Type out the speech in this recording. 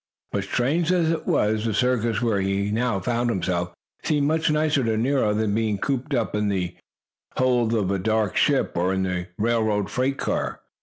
But strange as it was, the circus, where he now found himself, seemed much nicer to Nero than being cooped up in the dark ship or in the freight car.